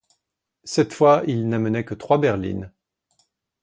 Cette fois, il n'amenait que trois berlines.